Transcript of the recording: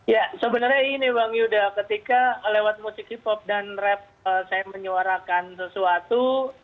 ya sebenarnya ini bang yuda ketika lewat musik k pop dan rap saya menyuarakan sesuatu